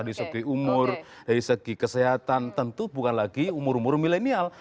dari segi umur dari segi kesehatan tentu bukan lagi umur umur milenial